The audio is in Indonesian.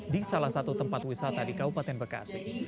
di salah satu tempat wisata di kabupaten bekasi